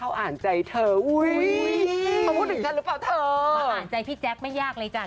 มาอ่านใจพี่แจ๊กไม่ยากเลยจ้ะ